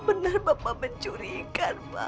apa benar bapak mencuri ikan pak